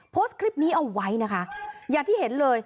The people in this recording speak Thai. โพสต์คลิปนี้เอาไว้นะคะอย่างที่เห็นเลย